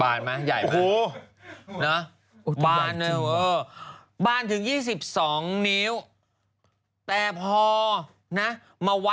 ใกล้๕๐มั้ยใกล้๕๐มั้ยนี่ง่ะเด็ดมั้ยล่ะ